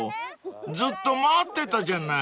［ずっと待ってたじゃない］